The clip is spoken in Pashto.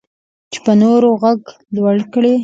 چې په نورو غږ لوړ کړي.